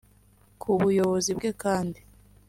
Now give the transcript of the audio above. Ku buyobozi bwe kandi